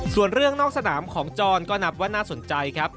ส่วนเรื่องนอกสนามของจรก็นับว่าน่าสนใจครับ